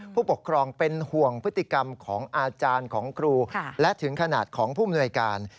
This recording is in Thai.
ผู้ปกครองเป็นห่วงพฤติกรรมของอาจารย์ของครูและถึงขนาดของผู้มนวยการ